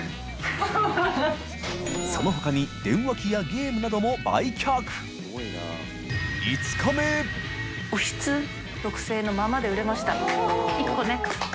磴修里曚電話機やゲームなども箋僉緑川）のままで売れました１個ね。